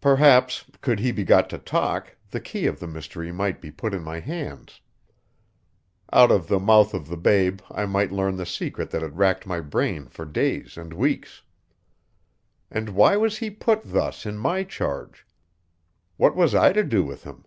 Perhaps, could he be got to talk, the key of the mystery might be put in my hands. Out of the mouth of the babe I might learn the secret that had racked my brain for days and weeks. And why was he put thus in my charge? What was I to do with him?